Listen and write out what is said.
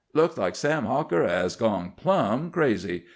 "Looks like Sam Hawker has gone plumb crazy.